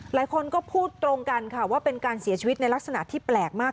หลายคนก็พูดตรงกันค่ะว่าเป็นการเสียชีวิตในลักษณะที่แปลกมาก